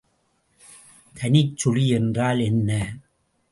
தனிச்சுழி என்றால் என்ன?